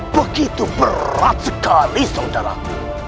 begitu berat sekali saudaraku